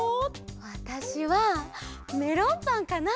わたしはメロンパンかな！